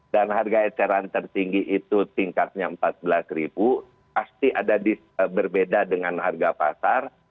dan harga eceran tertinggi itu tingkatnya rp empat belas pasti ada berbeda dengan harga pasar